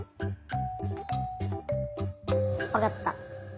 わかった。